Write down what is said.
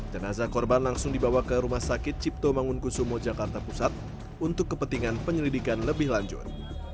jenazah korban langsung dibawa ke rumah sakit cipto mangunkusumo jakarta pusat untuk kepentingan penyelidikan lebih lanjut